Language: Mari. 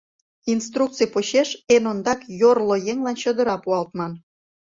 Инструкций почеш эн ондак йорло еҥлан чодыра пуалтман.